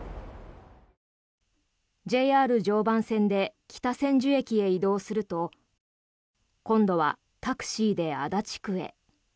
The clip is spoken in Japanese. ＪＲ常磐線で北千住駅へ移動すると今度はタクシーで足立区へ。